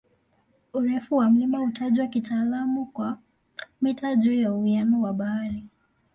Urefu wa mlima hutajwa kitaalamu kwa "mita juu ya uwiano wa bahari".